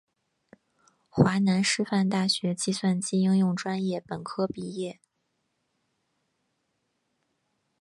华南师范大学计算机应用专业本科毕业。